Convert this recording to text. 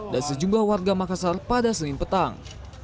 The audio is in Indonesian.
dan sejumlah warga makassar pada senin petang